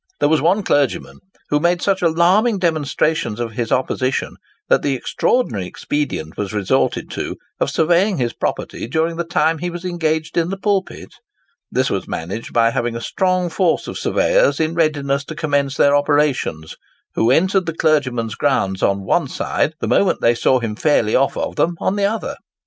There was one clergyman, who made such alarming demonstrations of his opposition, that the extraordinary expedient was resorted to of surveying his property during the time he was engaged in the pulpit. This was managed by having a strong force of surveyors in readiness to commence their operations, who entered the clergyman's grounds on one side the moment they saw him fairly off them on the other.